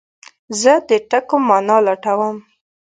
زه د ټکو مانا لټوم.